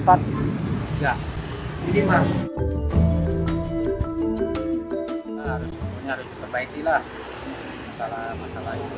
harusnya kita perbaikin lah masalah masalah itu